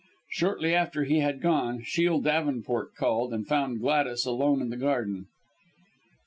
Shortly after he had gone, Shiel Davenport called, and found Gladys alone in the garden.